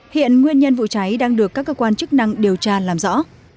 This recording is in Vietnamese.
hiện nguyên nhân vụ cháy đang được các cơ quan chức năng điều tra làm rõ